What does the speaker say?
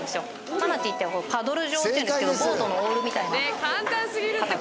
マナティーってパドル状って言うんですけどボートのオールみたいな形。